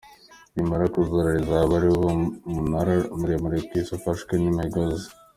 Nirimara kuzura rizaba ari wo munara muremure ku isi ufashwe n’imigozi.